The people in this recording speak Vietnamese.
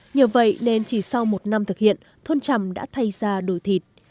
nhờ vậy nên chỉ sau một năm thực hiện thôn trầm đã thay ra đổi thịt